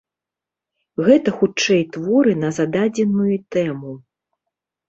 Гэта хутчэй творы на зададзеную тэму.